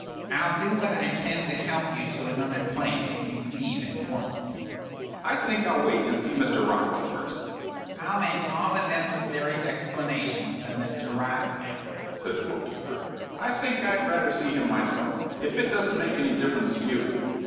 "I'll do what I can to help you to another place if you leave at once." "I think I'll wait and see Mr. Rockwell first." "I'll make all the necessary explanations to Mr. Rockwell," said the book keeper. "I think I'd rather see him myself, if it doesn't make any difference to you."